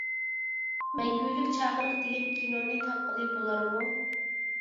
«مەڭگۈلۈك چاقىرىق» دېگەن كىنونى تاپقىلى بولارمۇ؟